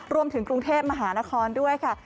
รวมถึงกรุงเทพมหานครด้วยค่ะ